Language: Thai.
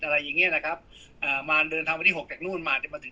อะไรอย่างเงี้ยนะครับอ่ามาเดินทางวันที่หกจากนู่นมาจะมาถึง